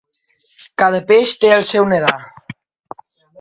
Cada peix té el seu nedar.